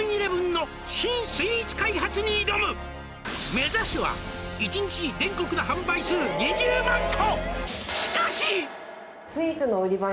「目指すは１日に全国の販売数２０万個！」